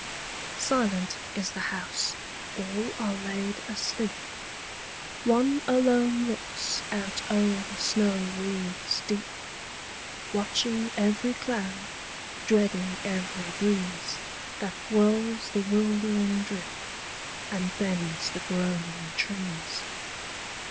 Silent is the house: all are laid asleep: One alone looks out o'er the snow wreaths deep, Watching every cloud, dreading every breeze That whirls the wildering drift, and bends the groaning trees.